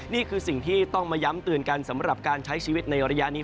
นี่คือสิ่งที่ต้องมาย้ำเตือนกันสำหรับการใช้ชีวิตในระยะนี้